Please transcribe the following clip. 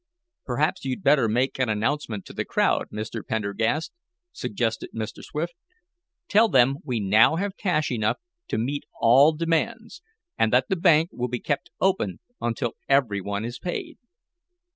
"Perhaps you'd better make an announcement to the crowd, Mr. Pendergast," suggested Mr. Swift. "Tell them we now have cash enough to meet all demands, and that the bank will be kept open until every one is paid."